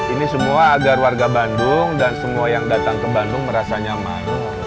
ini semua agar warga bandung dan semua yang datang ke bandung merasa nyaman